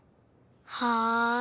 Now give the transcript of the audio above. はい。